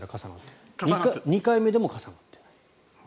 ２回目でも重なっている。